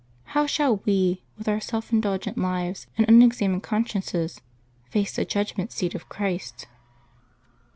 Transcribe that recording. How shall we, with our self indulgent lives and unexamined consciences, face the judgment seat of Christ?